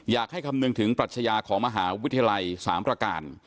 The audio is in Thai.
อยากให้คำนึงถึงปรัชญาของมหาวิทยาลัยสามประการ